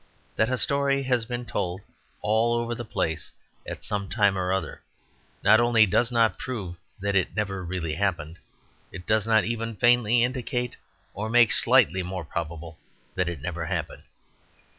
That a story has been told all over the place at some time or other, not only does not prove that it never really happened; it does not even faintly indicate or make slightly more probable that it never happened.